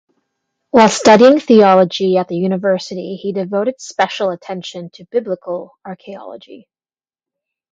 While studying theology at the university he devoted special attention to Biblical archaeology.